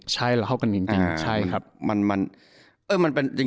ใช่เราเท่ากันจริง